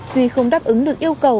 tuy không đáp ứng được yêu cầu